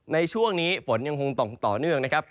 ในช่วงนี้ฝนยังคงตกต่อเนื่องนะครับ